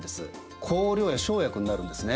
香料や生薬になるんですね。